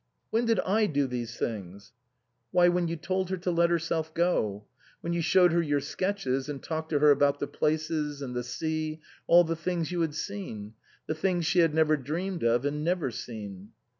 " When did I do these things ?"" Why, when you told her to let herself go. When you showed her your sketches and talked to her about the places, and the sea, all the things you had seen ; the things she had dreamed of and never seen."